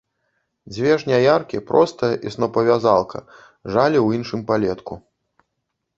Дзве жняяркі, простая і снопавязалка, жалі ў іншым палетку.